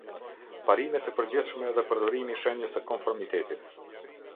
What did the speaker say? Parimet e përgjithshme dhe përdorimi i shenjës së konformitetit.